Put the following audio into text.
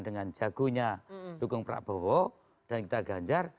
dengan jagonya dukung prabowo dan kita ganjar